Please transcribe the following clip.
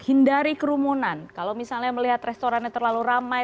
hindari kerumunan kalau misalnya melihat restorannya terlalu ramai